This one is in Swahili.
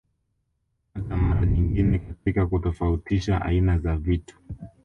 Hata mara nyingine katika kutofautisha aina za vitu